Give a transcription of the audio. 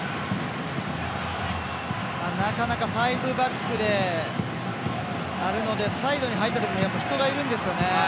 なかなかファイブバックであるのでサイドに入ったときも人がいるんですよね。